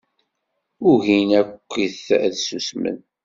Ugin akkit ad ssusmen.